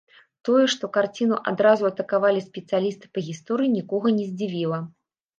Тое, што карціну адразу атакавалі спецыялісты па гісторыі, нікога не здзівіла.